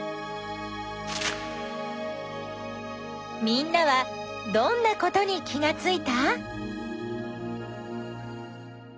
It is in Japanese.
みんなはどんなことに気がついた？